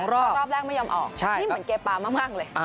เพราะรอบแรกไม่ยอมออกนี่เหมือนเกปามากเลย